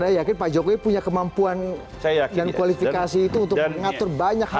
dan anda yakin pak jokowi punya kemampuan dan kualifikasi itu untuk mengatur banyak hal